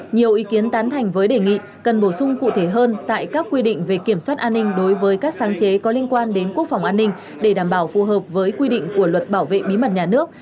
nhiều ý kiến tán thành với đề nghị cần bổ sung cụ thể hơn tại các quy định về kiểm soát an ninh đối với các sáng chế có liên quan đến quốc phòng an ninh để đảm bảo phù hợp với quy định của luật bảo vệ bí mật nhà nước